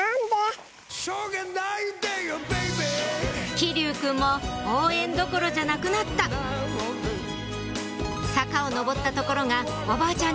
騎琉くんも応援どころじゃなくなった坂を上った所がおばあちゃん